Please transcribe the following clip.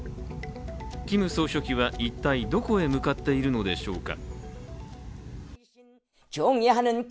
キム総書記は一体どこへ向かっているのでしょうか。